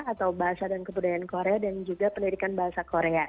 atau bahasa dan kebudayaan korea dan juga pendidikan bahasa korea